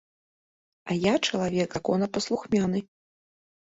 А я чалавек законапаслухмяны.